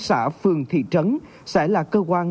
xã phường thị trấn sẽ là cơ quan